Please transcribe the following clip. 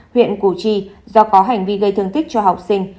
huyện củ chi do có hành vi gây thương tích cho học sinh